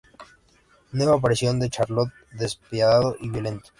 Nueva aparición de un Charlot despiadado y violento.